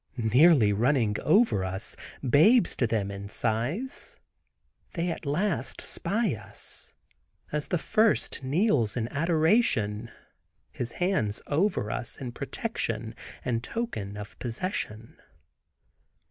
Nearly running over us, babes to them in size, they at last spy us, as the first kneels in adoration, his hands over us in protection and token of possession.